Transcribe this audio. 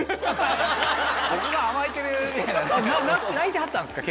泣いてはったんですか？